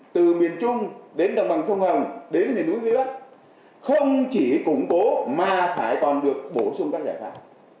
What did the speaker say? từ miền trung đến đồng bằng sông hồng đến hình núi vĩ bắc không chỉ củng cố mà phải toàn được bổ sung các giải pháp